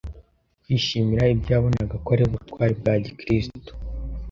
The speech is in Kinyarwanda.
kwishimira ibyo yabonaga ko ari ubutwari bwa gikristo